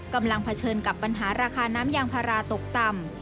เผชิญกับปัญหาราคาน้ำยางพาราตกต่ำ